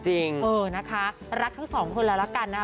เออนะคะรักทั้ง๒คนละแล้วกันนะคะ